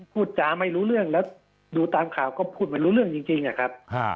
พูดจาไม่รู้เรื่องแล้วดูตามข่าวก็พูดไม่รู้เรื่องจริงอะครับ